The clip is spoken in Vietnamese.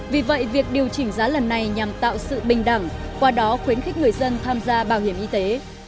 vì vậy việc điều chỉnh giá lần này nhằm tạo sự bình đẳng qua đó khuyến khích người dân tham gia bảo hiểm y tế